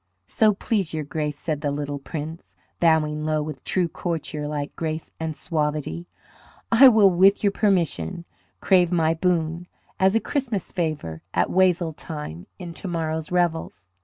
"So please your Grace," said the little Prince, bowing low with true courtier like grace and suavity, "I will, with your permission, crave my boon as a Christmas favor at wassail time in to morrow's revels."